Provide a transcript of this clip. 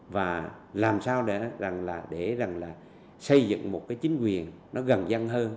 và làm sao để xây dựng một chính quyền gần gian hơn